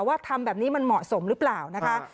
ทำแบบนี้มันเหมาะสมหรือเปล่านะคะ